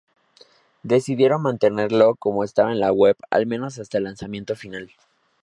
Decidieron mantenerlo como estaba en la web, al menos hasta el lanzamiento final.